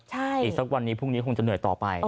อีกสักวันนี้พรุ่งนี้คงจะเหนื่อยต่อไป